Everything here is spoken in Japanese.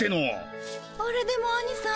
あれでもアニさん